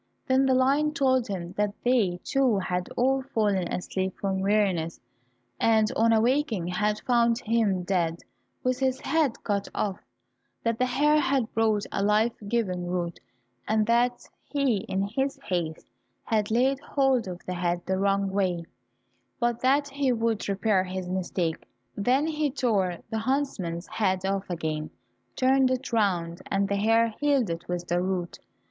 Then the lion told him that they, too, had all fallen asleep from weariness, and on awaking, had found him dead with his head cut off, that the hare had brought the life giving root, and that he, in his haste, had laid hold of the head the wrong way, but that he would repair his mistake. Then he tore the huntsman's head off again, turned it round, and the hare healed it with the root.